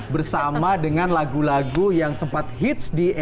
bersama dengan lagu lagu yang sempat hits